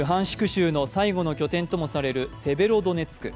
州の最後の拠点ともされるセベロドネツク。